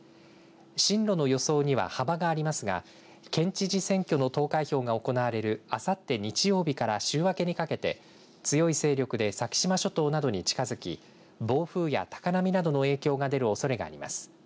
進路の予想には幅がありますが県知事選挙の投開票が行われるあさって日曜日から週明けにかけて強い勢力で先島諸島などに近づき暴風や高波などの影響が出るおそれがあります。